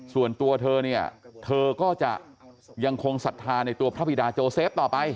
ส่วนตัวเธอเนี่ยเธอก็จะยังคงศรัทธาในตัวพระบิดาโจเซฟต่อไป